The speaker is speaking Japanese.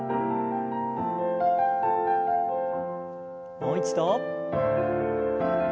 もう一度。